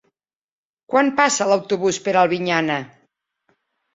Quan passa l'autobús per Albinyana?